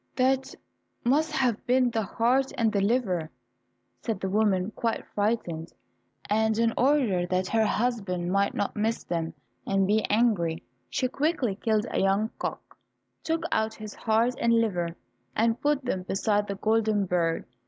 "That must have been the heart and the liver," said the woman, quite frightened, and in order that her husband might not miss them and be angry, she quickly killed a young cock, took out his heart and liver, and put them beside the golden bird.